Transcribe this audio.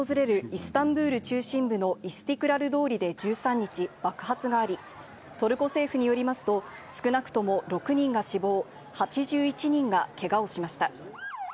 イスタンブール中心部のイスティクラル通りで１３日、爆発があり、トルコ政府によりますと、少なくとも６人が死亡、８１人がけがをしました。